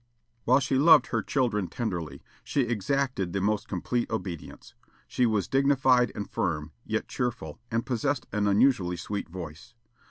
While she loved her children tenderly, she exacted the most complete obedience. She was dignified and firm, yet cheerful, and possessed an unusually sweet voice.